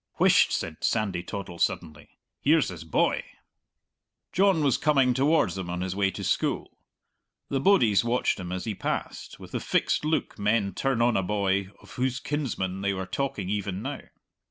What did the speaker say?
"Whisht!" said Sandy Toddle suddenly; "here's his boy!" John was coming towards them on his way to school. The bodies watched him as he passed, with the fixed look men turn on a boy of whose kinsmen they were talking even now.